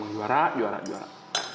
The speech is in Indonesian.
juara juara juara